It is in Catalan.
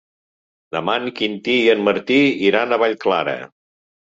Demà en Quintí i en Martí iran a Vallclara.